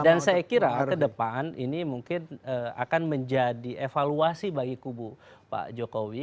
saya kira ke depan ini mungkin akan menjadi evaluasi bagi kubu pak jokowi